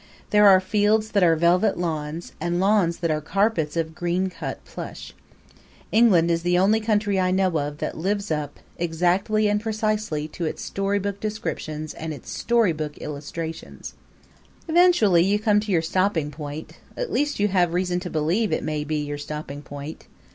There are fields that are velvet lawns, and lawns that are carpets of green cut plush. England is the only country I know of that lives up exactly and precisely to its storybook descriptions and its storybook illustrations. Eventually you come to your stopping point; at least you have reason to believe it may be your stopping point.